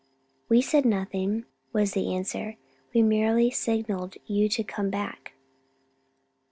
"We said nothing," was the answer; "we merely signalled you to come back."